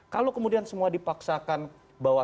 kalau kemudian semua dipaksakan bahwa